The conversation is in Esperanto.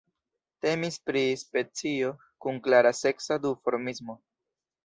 Temis pri specio kun klara seksa duformismo.